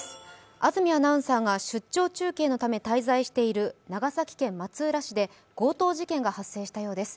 安住アナウンサーが出張中継のため滞在している長崎県松浦市で強盗事件が発生したようです。